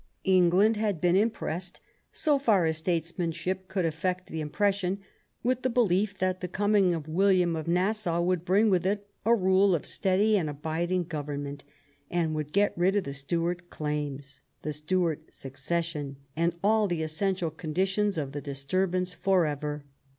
Eng land had been impressed, so far as statesmanship could effect the impression, with the belief that the coming of William of Nassau would bring with it a rule of steady and abiding government,' and would get rid of the Stuart claims, the Stuart succession, and all the essential conditions of the disturbance forever.